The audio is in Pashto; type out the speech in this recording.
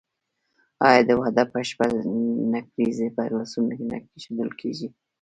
آیا د واده په شپه نکریزې په لاسونو نه کیښودل کیږي؟